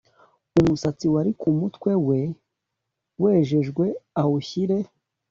Umusatsi wari ku mutwe we wejejwe awushyire